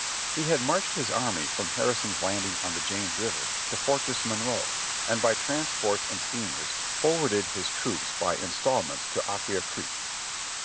He had marched his army from Harrison's Landing on the James River to Fortress Monroe, and by transports and steamers for warded his troops by instalments to Aquia Creek.